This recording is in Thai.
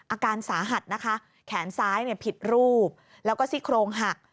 อาการสาหัสนะคะแขนซ้ายผิดรูปแล้วก็ซี่โครงหัก